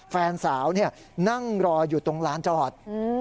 แฟนสาวนั่งรออยู่ตรงลานจอด